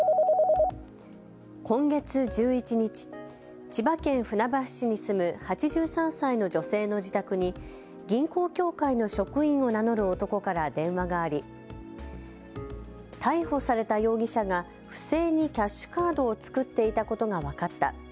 今月１１日、千葉県船橋市に住む８３歳の女性の自宅に銀行協会の職員を名乗る男から電話があり、逮捕された容疑者が不正にキャッシュカードを作っていたことが分かった。